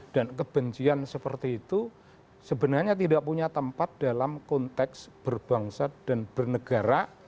dan kebencian seperti itu sebenarnya tidak punya tempat dalam konteks berbangsa dan bernegara